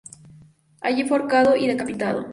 Allí fue ahorcado y decapitado.